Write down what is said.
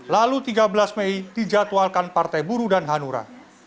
lalu tiga belas mei dijadwalkan partai buru dan hanura